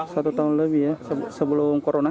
satu tahun lebih ya sebelum corona